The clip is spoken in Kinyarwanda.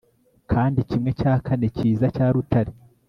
Kandi kimwe cya kane cyiza cya rutare